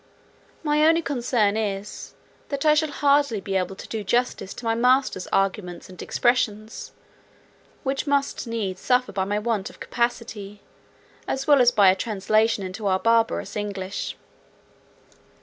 My only concern is, that I shall hardly be able to do justice to my master's arguments and expressions, which must needs suffer by my want of capacity, as well as by a translation into our barbarous English.